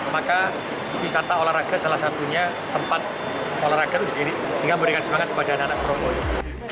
maka wisata olahraga salah satunya tempat olahraga di sini sehingga memberikan semangat kepada anak anak surabaya